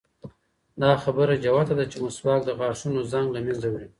دا خبره جوته ده چې مسواک د غاښونو زنګ له منځه وړي.